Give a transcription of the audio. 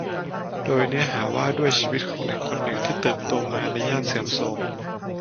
โดยเนื้อหาว่าด้วยชีวิตของเด็กคนหนึ่งที่เติบโตมาในย่านเสื่อมโทรม